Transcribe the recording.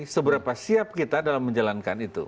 seberapa siap kita dalam menjalankan itu